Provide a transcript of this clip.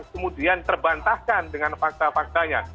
kemudian terbantahkan dengan fakta faktanya